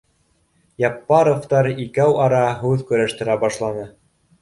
Яппаровтар икәү-ара һүҙ көрәштерә башланы